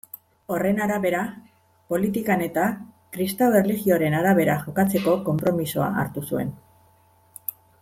Horren arabera, politikan-eta kristau erlijioaren arabera jokatzeko konpromisoa hartu zuten.